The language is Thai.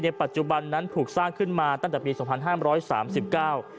ปัจจุบันนั้นถูกสร้างขึ้นมาตั้งแต่ปีสองพันห้ามร้อยสามสิบเก้า